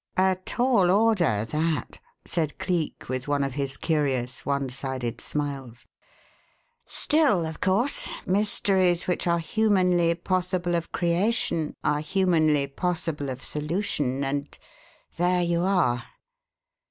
"A tall order that," said Cleek with one of his curious, one sided smiles. "Still, of course, mysteries which are humanly possible of creation are humanly possible of solution, and there you are.